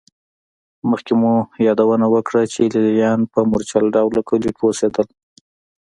مخکې مو یادونه وکړه چې لېلیان په مورچل ډوله کلیو کې اوسېدل